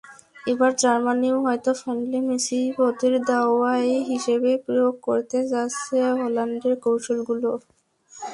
এবার জার্মানিও হয়তো ফাইনালে মেসি-বধের দাওয়াই হিসেবে প্রয়োগ করতে যাচ্ছে হল্যান্ডের কৌশলগুলো।